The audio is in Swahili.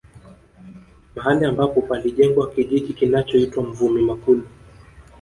Mahali ambapo palijengwa kijiji kinachoitwa Mvumi Makulu